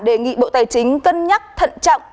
đề nghị bộ tài chính cân nhắc thận trọng